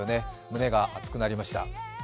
胸が熱くなりました。